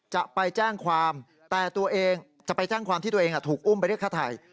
จะไปแจ้งความที่ตัวเองถูกอุ้มไปรีดคทัย